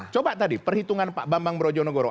coba tadi perhitungan pak bambang brojonegoro